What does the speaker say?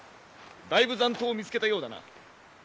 だいぶ残党を見つけたようだな。